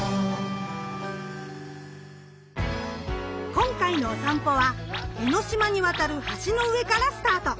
今回のおさんぽは江の島に渡る橋の上からスタート！